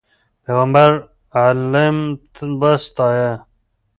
پیغمبر علم وستایه.